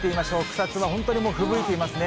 草津は本当にもうふぶいていますね。